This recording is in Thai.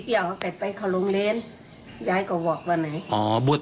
ขอโทษแล้วเนี่ยขอบคุณที่